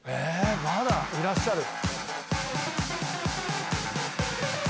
まだいらっしゃる？